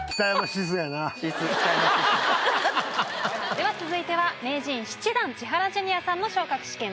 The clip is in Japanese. では続いては名人７段千原ジュニアさんの昇格試験です。